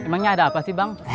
emangnya ada apa sih bang